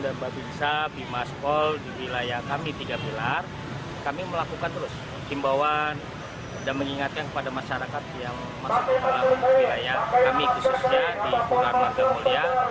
bapak binsa bimas pol di wilayah kami tiga pilar kami melakukan terus pembawaan dan mengingatkan kepada masyarakat yang masuk ke wilayah kami khususnya di lurah marga mulia